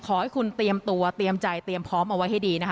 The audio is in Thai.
ขอให้คุณเตรียมตัวเตรียมใจเตรียมพร้อมเอาไว้ให้ดีนะคะ